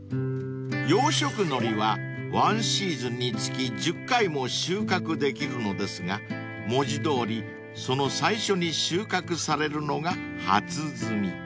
［養殖海苔はワンシーズンにつき１０回も収穫できるのですが文字どおりその最初に収穫されるのが初摘み］